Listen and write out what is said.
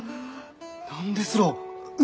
何ですろう？